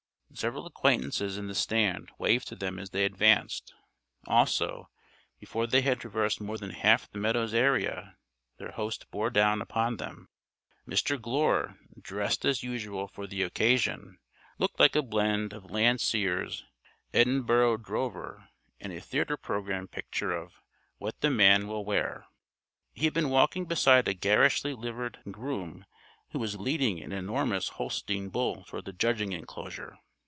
Several acquaintances in the stand waved to them as they advanced. Also, before they had traversed more than half the meadow's area their host bore down upon them. Mr. Glure (dressed, as usual, for the Occasion) looked like a blend of Landseer's "Edinburgh Drover" and a theater program picture of "What the Man Will Wear." He had been walking beside a garishly liveried groom who was leading an enormous Holstein bull toward the judging enclosure.